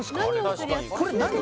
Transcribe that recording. これ何？